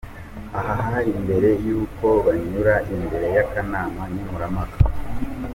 Aha hari mbere y'uko banyura imbere y'akanama nkemurampaka.